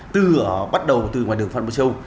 từ bắt đầu từ ngoài đường phan bộ châu